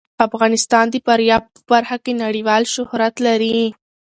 افغانستان د فاریاب په برخه کې نړیوال شهرت لري.